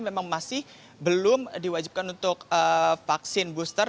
memang masih belum diwajibkan untuk vaksin booster